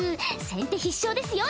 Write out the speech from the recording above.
先手必勝ですよ